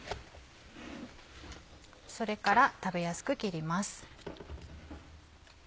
それから食べやすく切ります。